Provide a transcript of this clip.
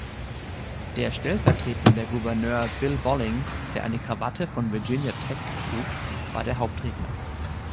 Der stellvertretender Gouverneur Bill Bolling, der eine Krawatte von Virginia Tech trug, war der Hauptredner.